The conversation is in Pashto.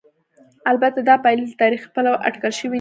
البته دا پایلې له تاریخي پلوه اټکل شوې نه دي.